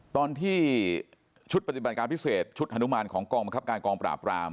ตอนที่ชุดปฏิบัติการพิเศษชุดฮานุมานของกองบังคับการกองปราบราม